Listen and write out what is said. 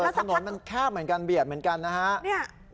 ถ้าหนนมันแค้นเหมือนการเบียบเหมือนกันนะครับ